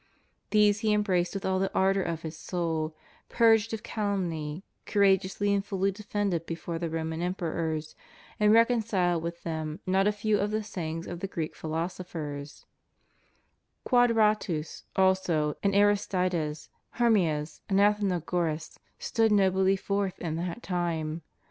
These he embraced with all the ardor of his soul, purged of cal umny, courageously and fully defended before the Roman emperors, and reconciled with them not a few of the say ings of the Greek philosophers, Quadratus also and Aristides, Hermias and Athenagoras, stood nobly forth in that time.